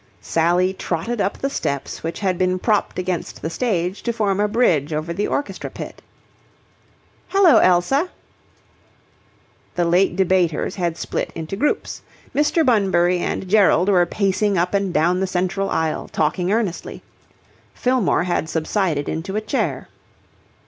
Sally trotted up the steps which had been propped against the stage to form a bridge over the orchestra pit. "Hello, Elsa." The late debaters had split into groups. Mr. Bunbury and Gerald were pacing up and down the central aisle, talking earnestly. Fillmore had subsided into a chair.